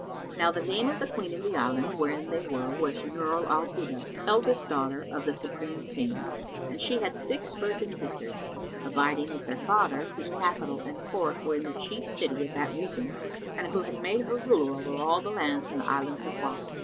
Now the name of the Queen of the island wherein they were was Núr al Hudŕ,[FN#137] eldest daughter of the Supreme King, and she had six virgin sisters, abiding with their father, whose capital and court were in the chief city of that region and who had made her ruler over all the lands and islands of Wak.